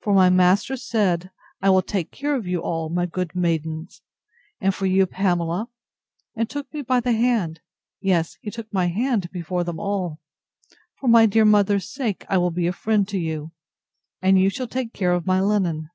For my master said, I will take care of you all, my good maidens; and for you, Pamela, (and took me by the hand; yes, he took my hand before them all,) for my dear mother's sake, I will be a friend to you, and you shall take care of my linen.